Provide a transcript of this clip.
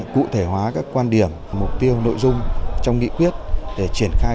cụ thể hóa các quan điểm mục tiêu nội dung trong nghị quyết để triển khai